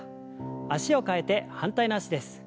脚を替えて反対の脚です。